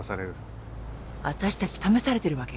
私たち試されてるわけ？